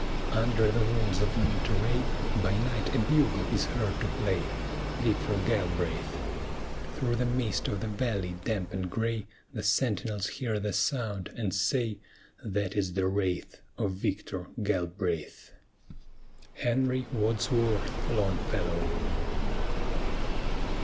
Under the walls of Monterey By night a bugle is heard to play, Victor Galbraith! Through the mist of the valley damp and gray The sentinels hear the sound, and say, "That is the wraith Of Victor Galbraith!" HENRY WADSWORTH LONGFELLOW.